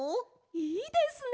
いいですね！